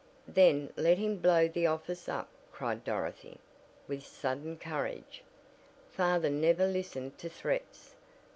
"Then let him blow the office up!" cried Dorothy, with sudden courage. "Father never listened to threats!